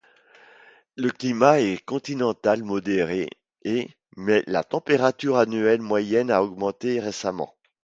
Le climat est continental modéré et mais la température annuelle moyenne a augmenté récemment.